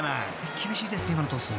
［厳しいですって今のトス］